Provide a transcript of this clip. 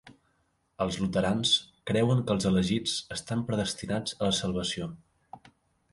Els luterans creuen que els elegits estan predestinats a la salvació.